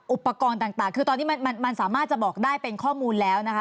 อุปกรณ์ต่างคือตอนนี้มันสามารถจะบอกได้เป็นข้อมูลแล้วนะคะ